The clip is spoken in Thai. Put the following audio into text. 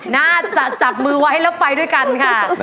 น่าจะจับมือไว้แล้วไปด้วยกันค่ะ